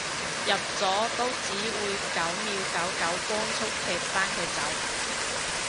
入咗都只會九秒九九光速踢返佢走